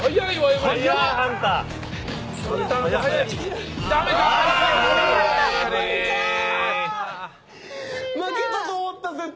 まけたと思った絶対。